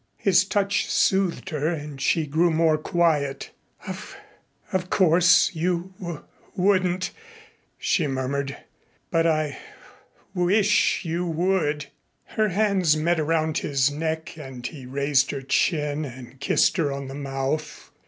His touch soothed her and she grew more quiet. "Of of course you w wouldn't," she murmured. "But I w wish you would." Her hands met around his neck and he raised her chin and kissed her on the mouth.